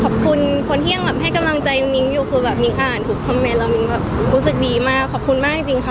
กับคนที่หยั่งคะกำลังใจวิ่งอยู่คือว่ามีค่าคามเป็นเริ่มออกคนสึกดีมากขอบคุณมากจริงคะ